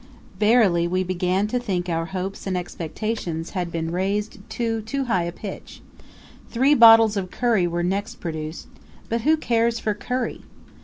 Verily, we began to think our hopes and expectations had been raised to too high a pitch. Three bottles of curry were next produced but who cares for curry?